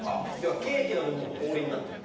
ケーキの部分が氷になってる？